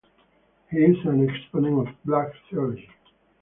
He is an exponent of Black theology.